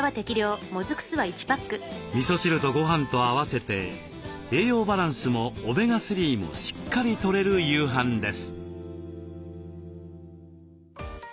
みそ汁とごはんと合わせて栄養バランスもオメガ３もしっかりとれる夕飯です。